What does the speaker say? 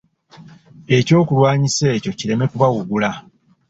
Ekyokulwanyisa ekyo kireme kubawugula.